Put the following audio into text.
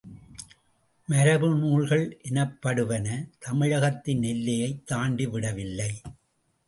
மரபு நூல்கள் எனப்படுவன தமிழகத்தின் எல்லையைத் தாண்டவில்லை.